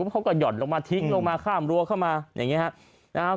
เขาก็หย่อนลงมาทิ้งลงมาข้ามรั้วเข้ามาอย่างนี้ครับ